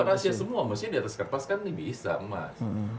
bukan asia semua maksudnya di atas kertas kan bisa emas